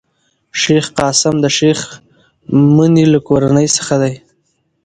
شېخ قاسم د شېخ مني له کورنۍ څخه دﺉ.